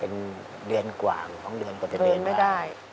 เป็นเรือนกว่าของเรือนกว่าจะเรือนได้